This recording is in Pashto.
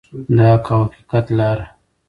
د حق او حقیقت لاره.